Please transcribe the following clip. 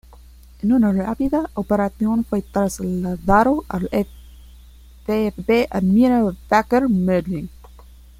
En una rápida operación fue trasladado al VfB Admira Wacker Mödling.